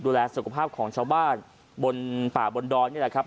ดูแลสุขภาพของชาวบ้านบนป่าบนดอยนี่แหละครับ